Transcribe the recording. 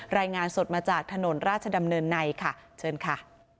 รายงานสดมาจากถนนราชดำเนินในค่ะเชิญค่ะ